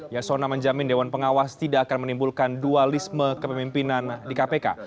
yasona menjamin dewan pengawas tidak akan menimbulkan dualisme kepemimpinan di kpk